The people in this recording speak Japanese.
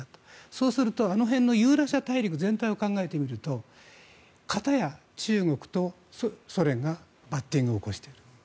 そうするとユーラシア大陸全体を考えてみると片や中国とソ連がバッティングを起こしている。